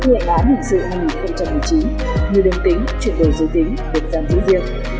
hệ lãn hình sự hai nghìn một mươi chín người đơn tính chuyển đổi dưới tính được giam giữ riêng